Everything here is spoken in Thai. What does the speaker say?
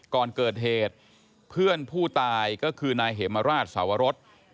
ก่อนเกิดแผ่นผู้ตายก็คือนายเหมอราชสาวรส